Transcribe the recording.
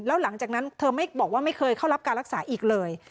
แล้วหลังจากนั้นเธอไม่บอกว่าไม่เคยเข้ารับการรักษาอีกเลย